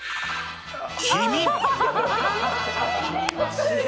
君。